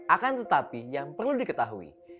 akan tetapi yang perlu diketahui